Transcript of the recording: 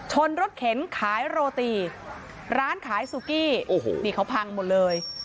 ชนรถเข็นขายโรตีร้านขายซูกี้โอ้โหนี่เขาพังหมดเลย